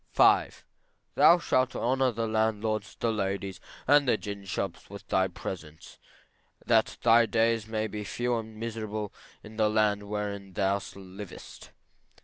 V. Thou shalt honor the landlords, the landladies, and the gin shops with thy presence, that thy days may be few and miserable, in the land wherein thou livest.